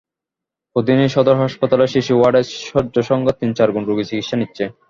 প্রতিদিনই সদর হাসপাতালের শিশু ওয়ার্ডে শয্যাসংখ্যার তিন-চার গুণ রোগী চিকিৎসা নিচ্ছে।